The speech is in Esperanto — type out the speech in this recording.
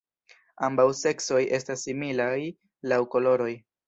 Ambaŭ seksoj estas similaj laŭ koloroj.